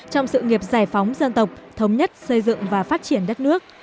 trong sự nghiệp giải phóng dân tộc thống nhất xây dựng và phát triển đất nước